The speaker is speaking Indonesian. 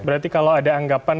berarti kalau ada anggapan